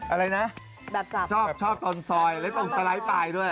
อะไรนะชอบชอบตอนซอยแล้วต้องสไลด์ปลายด้วย